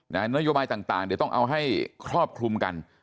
นโยบายต่างเดี๋ยวต้องเอาให้ครอบคลุมกัน